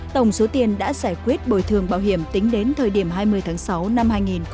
tổng số tiền đã giải quyết bồi thường bảo hiểm tính đến thời điểm hai mươi tháng sáu năm hai nghìn một mươi chín